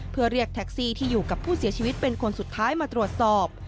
เพื่อเรียกแท็กซี่ที่อยู่กับผู้เสียชีวิตเป็นคนสุดท้ายมาตรวจสอบ